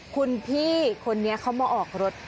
คุณพี่คนนี้เขามาออกรถ